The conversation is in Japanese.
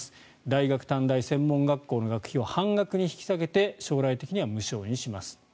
大学、短大、専門学校の学費を半額に引き下げて将来的には無償にします。